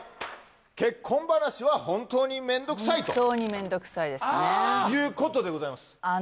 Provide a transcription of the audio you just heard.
結婚話は本当に面倒くさいと本当に面倒くさいですねいうことでございます